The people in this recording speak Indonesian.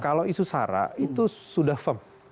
kalau isu sara itu sudah firm